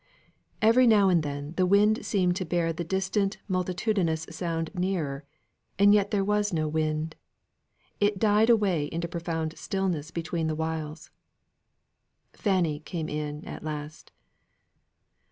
Every now and then, the wind seemed to bear the distant multitudinous sound nearer; and yet there was no wind! It died away into profound stillness between whiles. Fanny came in at last.